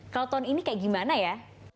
kalau tahun ini kayak gimana ya